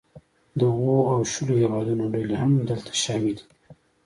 د اوو او شلو هیوادونو ډلې هم دلته شاملې دي